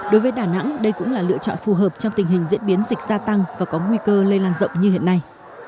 đối với đà nẵng đây cũng là lựa chọn phù hợp trong tình hình diễn biến dịch gia tăng và có nguy cơ lây lan rộng như hiện nay